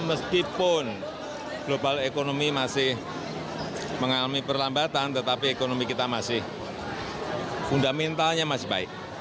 meskipun global economy masih mengalami perlambatan tetapi ekonomi kita masih fundamentalnya masih baik